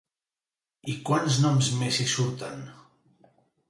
I quants noms més hi surten?